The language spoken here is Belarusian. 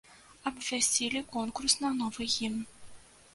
Абвясцілі конкурс на новы гімн.